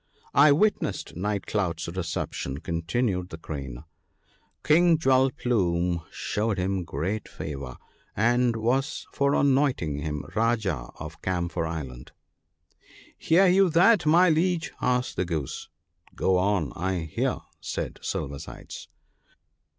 ' I witnessed Night cloud's reception,' continued the 122 THE BOOK OF GOOD COUNSELS. Crane. ' King Jewel plume showed him great favour, and was for anointing him Rajah of Camphor island. '' Hear you that, my Liege ?' asked the Goose. ( Go on ; I hear !' said Silver sides.